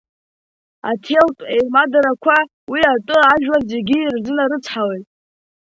Аҭелтә еимадарақәа уи атәы ажәлар зегьы ирзынарыцҳауеит.